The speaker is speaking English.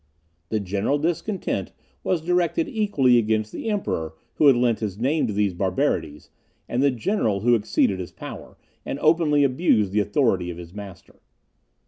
The general discontent was directed equally against the Emperor, who had lent his name to these barbarities, and the general who exceeded his power, and openly abused the authority of his master.